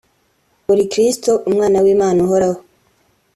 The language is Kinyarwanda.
Uri Kristo Umwana w’Imana Ihoraho